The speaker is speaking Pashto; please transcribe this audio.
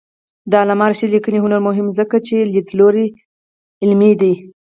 د علامه رشاد لیکنی هنر مهم دی ځکه چې لیدلوری علمي دی.